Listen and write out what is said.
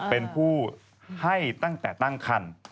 เป็นผู้ให้ตั้งแต่ตั้งคัน